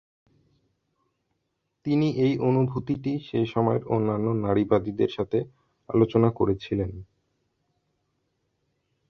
তিনি এই অনুভূতিটি সেই সময়ের অন্যান্য নারীবাদীদের সাথে আলোচনা করেছিলেন।